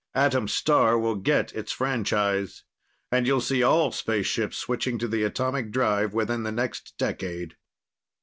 Atom Star will get its franchise, and you'll see all spaceships switching to the atomic drive within the next decade."